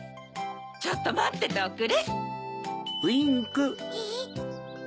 ちょっとまってておくれ。